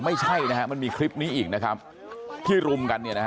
ไม่ใช่นะฮะมันมีคลิปนี้อีกนะครับที่รุมกันเนี่ยนะฮะ